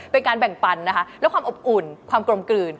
เป็นการแบ่งปันนะคะและความอบอุ่นความกลมกลืน